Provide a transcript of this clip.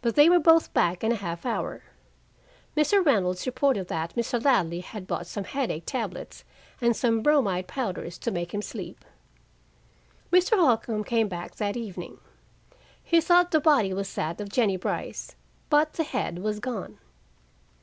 But they were both back in a half hour. Mr. Reynolds reported that Mr. Ladley had bought some headache tablets and some bromide powders to make him sleep. Mr. Holcombe came back that evening. He thought the body was that of Jennie Brice, but the head was gone.